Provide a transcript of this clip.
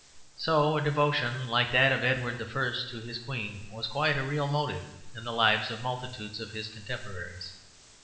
So a devotion like that of Edward I. to his queen was quite a real motive in the lives of multitudes of his contemporaries.